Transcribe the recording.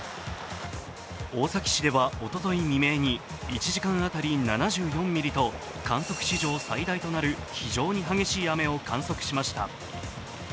大崎市ではおととい未明に１時間当たり７４ミリと観測史上最大となる非常に激しい雨を観測しました。